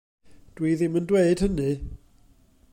Dw i ddim yn dweud hynny.